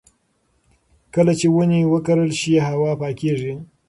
کله چې ونې وکرل شي، هوا پاکېږي.